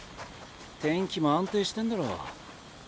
天気も安定してんだろ。